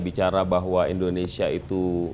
bicara bahwa indonesia itu